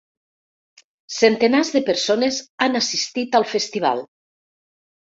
Centenars de persones han assistit al festival.